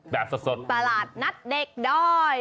แบบสะสดปราหรภหนัดเด็กด้อย